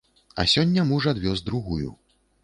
А сёння муж адвёз другую.